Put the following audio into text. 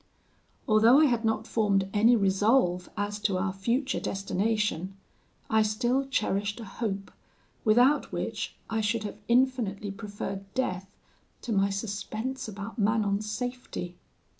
"Although I had not formed any resolve as to our future destination, I still cherished a hope, without which I should have infinitely preferred death to my suspense about Manon's safety.